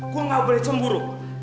gue ga boleh cemburu